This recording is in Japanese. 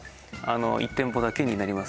１店舗だけになります